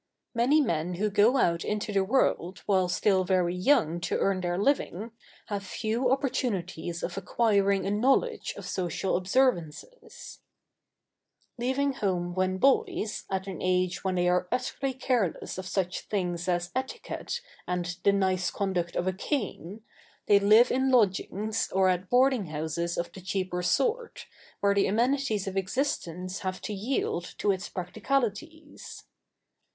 Many men who go out into the world while still very young to earn their living have few opportunities of acquiring a knowledge of social observances. [Sidenote: Difficulties in the way.] Leaving home when boys, at an age when they are utterly careless of such things as etiquette and the "nice conduct of a cane," they live in lodgings or at boarding houses of the cheaper sort, where the amenities of existence have to yield to its practicalities. [Sidenote: "Where amenities yield to practicalities."